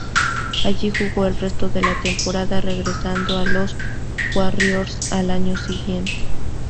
Allí jugó el resto de la temporada, regresando a los Warriors al año siguiente.